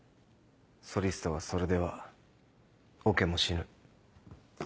ソリストがそれではオケも死ぬ。